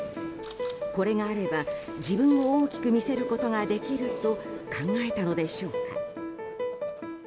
これがあれば自分を大きく見せることができると考えたのでしょうか。